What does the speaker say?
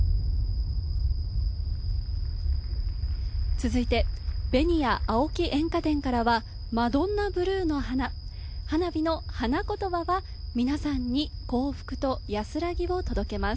続いて、紅屋青木煙火店からは、マドンナブルーの花、花火の花言葉は皆さんに幸福と安らぎを届けます。